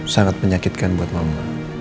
sangat menyakitkan buat mama